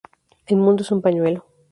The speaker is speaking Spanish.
El mundo es un pañuelo